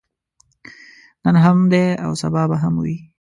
نن هم دی او سبا به هم وي.